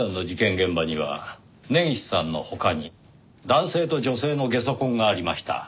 現場には根岸さんの他に男性と女性のゲソ痕がありました。